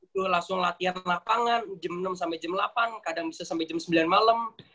terus langsung latihan lapangan jam enam delapan kadang bisa sampe jam sembilan malem